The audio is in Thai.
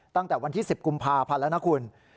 ตั้งแต่วันที่๑๐กุมภาพันธ์แล้วนะคุณ